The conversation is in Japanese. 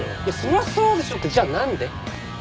いやそりゃそうでしょってじゃあなんで？